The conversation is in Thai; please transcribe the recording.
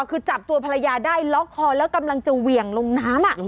คือจับตัวพระยาได้ล็อคคอร์และกำลังจะเหวี่ยงลงนั้ม